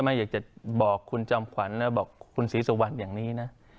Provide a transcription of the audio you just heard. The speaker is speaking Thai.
ไม่อยากจะบอกคุณจอมขวัญนะบอกคุณศรีสุวรรณอย่างนี้นะ